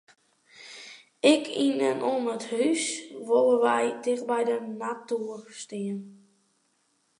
Ek yn en om it hús wolle wy ticht by de natoer stean.